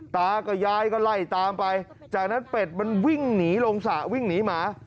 ตากับยายก็ไล่ตามไปจากนั้นเป็ดมันวิ่งหนีลงสระวิ่งหนีหมา